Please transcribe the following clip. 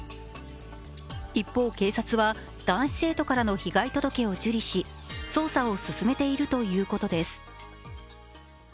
一方、警察は男子生徒からの被害届を受理し、捜査を進めているということです。